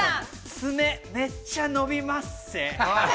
爪、めっちゃ伸びまっせ。